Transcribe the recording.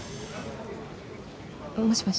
もしもし。